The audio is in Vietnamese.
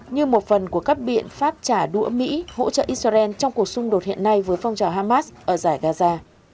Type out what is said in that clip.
như một phần của các biện pháp trả đũa mỹ hỗ trợ israel trong cuộc xung đột hiện nay với phong trào hamas ở giải gaza